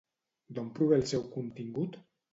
D'on prové el seu contingut?